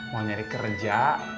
mau nyari kerja